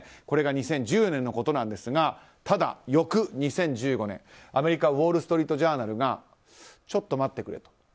これが２０１４年のことですがただ、翌２０１５年、アメリカウォール・ストリート・ジャーナルがちょっと待ってくれと。